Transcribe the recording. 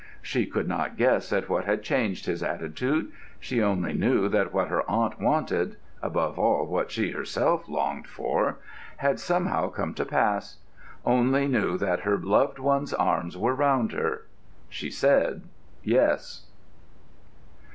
She could not guess at what had changed his attitude. She only knew that what her aunt wanted—above all, what she herself longed for—had somehow come to pass; only knew that her loved one's arms were round her. She said "Yes."